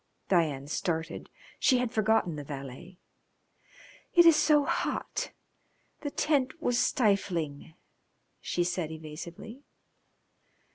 Diana started. She had forgotten the valet. "It is so hot. The tent was stifling," she said evasively.